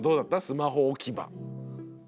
スマホ置き場。